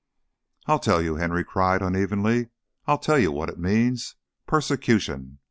"I'll tell you," Henry cried, unevenly. "I'll tell you what it means. Persecution!